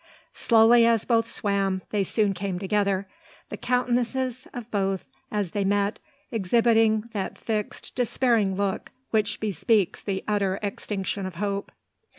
Slowly as both swam, they soon came together, the countenances of both, as they met, exhibiting that fixed, despairing look which bespeaks the utter extinction of hope.